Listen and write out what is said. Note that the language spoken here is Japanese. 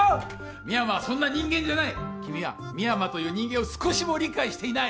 深山はそんな人間じゃない君は深山という人間を少しも理解していない